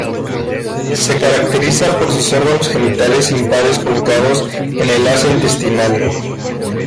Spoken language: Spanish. Se caracteriza por sus órganos genitales impares colocados en el asa intestinal.